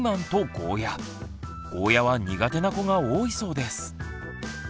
ゴーヤは苦手な子が多いそうです。